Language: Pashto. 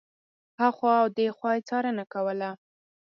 هخوا او دېخوا یې څارنه کوله.